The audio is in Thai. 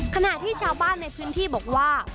ขณะที่ชาวบ้านในพื้นที่บอกว่า